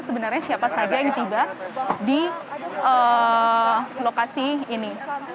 sebenarnya siapa saja yang tiba di lokasi ini